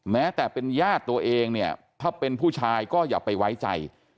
แม้แต่เป็นญาติตัวเองเนี่ยถ้าเป็นผู้ชายก็อย่าไปไว้ใจ